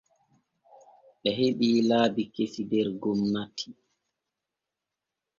Ɓe keɓii laabi kesi der gomnati.